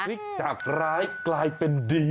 พลิกจากร้ายกลายเป็นดี